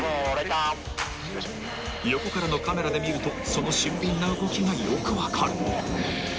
［横からのカメラで見るとその俊敏な動きがよく分かる］